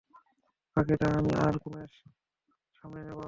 বাকিটা আমি আর মুকেশ সামলে নেব।